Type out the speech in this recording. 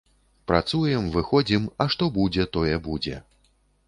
Працуем, выходзім, а што будзе, тое будзе.